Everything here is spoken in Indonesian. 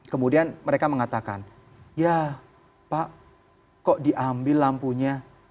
kemudian mereka mengatakan ya pak kok diambil lampunya